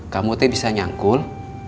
kamu bisa nyangkul